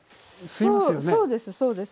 そうですそうです。